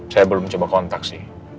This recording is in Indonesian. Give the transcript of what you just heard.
saya belum coba kontak sih